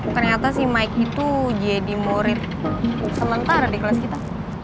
ternyata si mike itu jadi murid sementara di kelas kita